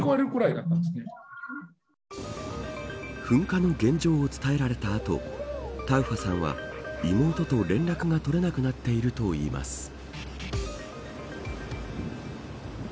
噴火の現状を伝えられた後タウファさんは妹と連絡が取れなくなっているといいます。